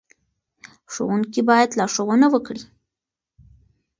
ښوونکي باید لارښوونه وکړي.